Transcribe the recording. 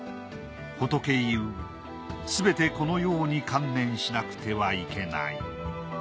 仏云うすべてこのように観念しなくてはいけない」。